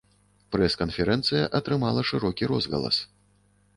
Прэс-канферэнцыя атрымала шырокі розгалас.